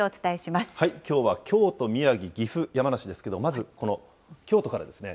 きょうは京都、宮城、岐阜、山梨ですけれども、まず、この京都からですね。